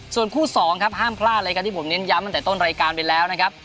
ส่วนคู่สองครับห้ามพลาดเลยครับที่ผมเน้นย้ำตั้งแต่ต้นรายการไปแล้วนะครับ